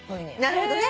なるほどね。